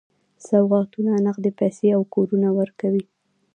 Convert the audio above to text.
سوغاتونه، نغدي پیسې او کورونه ورکوي.